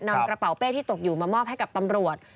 นำกระเป๋าเป้ที่ตกอยู่มามอบให้กับตำรวจ